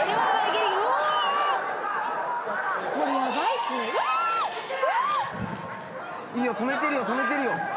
いいよ止めてるよ止めてるよ。